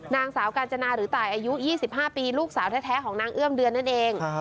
นางสาวกาญจนาหรือตายอายุ๒๕ปีลูกสาวแท้ของนางเอื้อมเดือนนั่นเอง